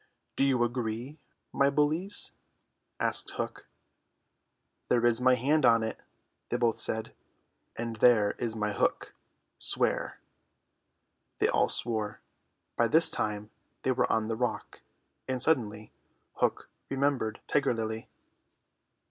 "Do you agree, my bullies?" asked Hook. "There is my hand on it," they both said. "And there is my hook. Swear." They all swore. By this time they were on the rock, and suddenly Hook remembered Tiger Lily.